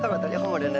semuanya lucu lucu ya